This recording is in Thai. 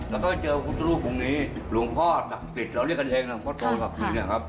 เราก็เจอภูตรรูปตรงนี้หลวงพ่อศักดิ์ติดเราเรียกกันเองนะครับพ่อโตครับทีเนี่ยครับ